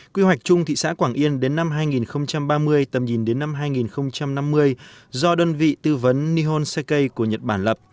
quy hoạch chung thị xã quảng yên đến năm hai nghìn ba mươi tầm nhìn đến năm hai nghìn năm mươi do đơn vị tư vấn nihol seake của nhật bản lập